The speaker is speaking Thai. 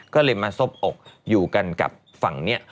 ก็เลยมาซบอกอยู่กันกับฝั่งนี้